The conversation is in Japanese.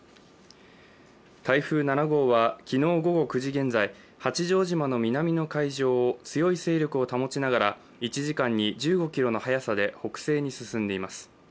台風７号は昨日午後９時現在八丈島の南の海上を強い勢力を保ちながら１時間に１５キロの速さで北西に進んでいます。